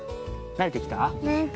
なれてきた。